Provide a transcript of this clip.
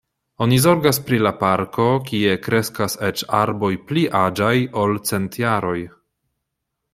Oni zorgas pri la parko, kie kreskas eĉ arboj pli aĝaj, ol cent jaroj.